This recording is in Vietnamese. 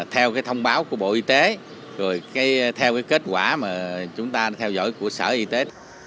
theo thông báo của bộ y tế theo kết quả mà chúng ta theo dõi của sở y tế